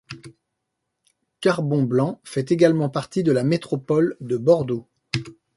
Carbon-Blanc fait également partie de la métropole de Bordeaux.